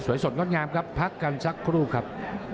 สดงดงามครับพักกันสักครู่ครับ